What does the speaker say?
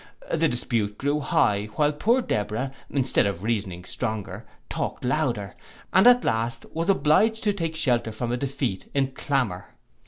The dispute grew high while poor Deborah, instead of reasoning stronger, talked louder, and at last was obliged to take shelter from a defeat in clamour.